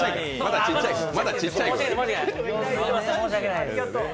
まだ、ちっちゃいから。